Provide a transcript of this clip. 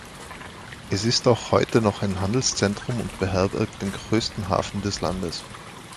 Es ist auch heute noch ein Handelszentrum und beherbergt den größten Hafen des Landes.